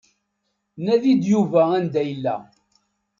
Nadi-d Yuba anda yella.